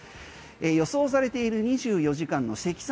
予想されている２４時間の積算